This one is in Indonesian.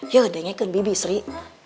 ya udah ngeken bibi sri